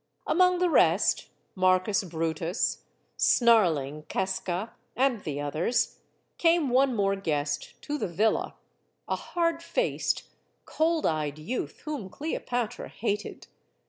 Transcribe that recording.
Among the rest Marcus Brutus, snarling Casca, and the others came one more guest to the villa a hard faced, cold eyed youth whom Cleopatra hated.